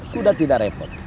sudah tidak repot